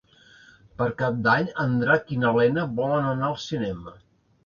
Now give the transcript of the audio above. Per Cap d'Any en Drac i na Lena volen anar al cinema.